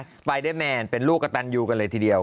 สไปเดอร์แมนเป็นลูกกระตันยูกันเลยทีเดียว